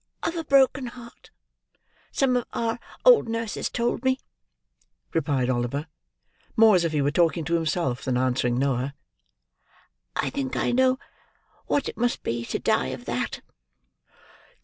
"Of a broken heart, some of our old nurses told me," replied Oliver: more as if he were talking to himself, than answering Noah. "I think I know what it must be to die of that!"